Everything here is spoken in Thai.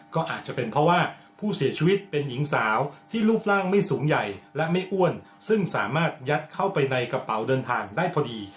ก็อาจจะเป็นเพราะว่าผู้เสียชีวิตเป็นหญิงสาวที่รูปร่างไม่สูงใหญ่และไม่อ้วนซึ่งสามารถยัดเข้าไปในกระเป๋าเดินทางได้พอดี